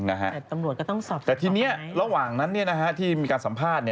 แต่ตำรวจก็ต้องสอบแต่ทีนี้ระหว่างนั้นที่มีการสัมภาษณ์